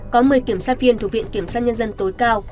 có một mươi kiểm sát viên thuộc viện kiểm sát nhân dân tối cao